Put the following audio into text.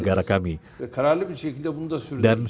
maka kami juga akan berjuang bersama terorisme